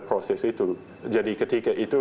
proses itu jadi ketika itu